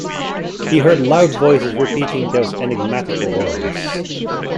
He heard loud voices repeating these enigmatical orders.